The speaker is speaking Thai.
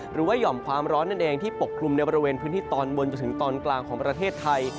หย่อมความร้อนนั่นเองที่ปกคลุมในบริเวณพื้นที่ตอนบนจนถึงตอนกลางของประเทศไทย